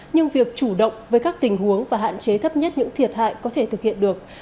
nhưng việc chủ động với các tình huống và hạn chế thấp nhất những thiệt hại có thể thực hiện được